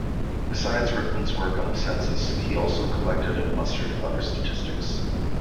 Besides Rickman's work on the census, he also collected and mustered other statistics.